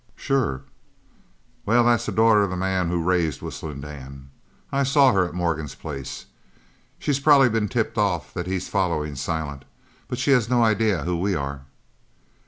"Sure." "Well, that's the daughter of the man that raised Whistling Dan. I saw her at Morgan's place. She's probably been tipped off that he's following Silent, but she has no idea who we are."